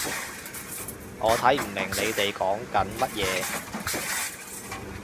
我睇唔明你哋講緊乜嘢